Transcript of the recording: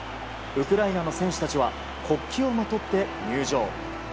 ウクライナの選手たちは国旗をまとって入場。